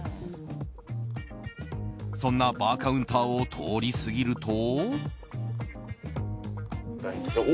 そんなバーカウンターを通り過ぎると。